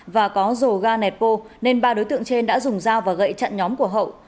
và có rồ ga nẹt bô nên ba đối tượng trên đã dùng dao và gậy chặn nhóm của hậu